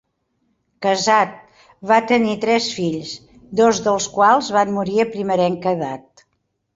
Casat, va tenir tres fills, dos dels quals van morir a primerenca edat.